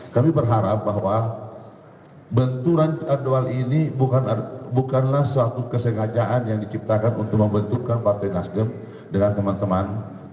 kami berharap bahwa benturan jadwal ini bukanlah suatu kesengajaan yang diciptakan untuk membentukkan partai nasdem dengan teman teman